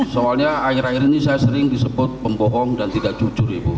soalnya akhir akhir ini saya sering disebut pembohong dan tidak jujur ibu